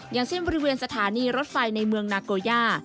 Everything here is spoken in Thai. อย่างเช่นบริเวณสถานีรถไฟในเมืองนาโกย่า